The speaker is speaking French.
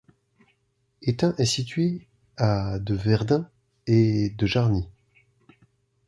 Étain est située à de Verdun et de Jarny.